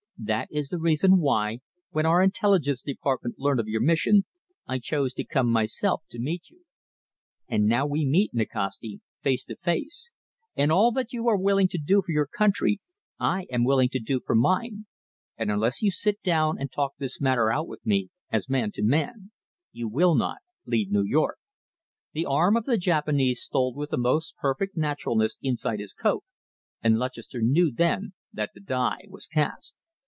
That is the reason why, when our Intelligence Department learnt of your mission, I chose to come myself to meet you. And now we meet, Nikasti, face to face, and all that you are willing to do for your country, I am willing to do for mine, and unless you sit down and talk this matter out with me as man to man, you will not leave New York." The arm of the Japanese stole with the most perfect naturalness inside his coat, and Lutchester knew then that the die was cast.